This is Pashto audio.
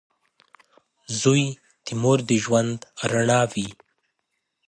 • زوی د مور د ژوند رڼا وي.